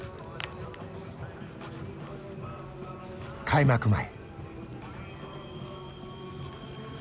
開幕前。